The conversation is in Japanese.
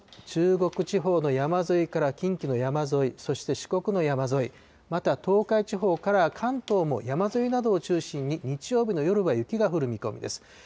中国地方の山沿いから近畿の山沿い、そして四国の山沿い、また、東海地方から関東も山沿いなどを中心に、日曜日の夜は雪が降る見込みです。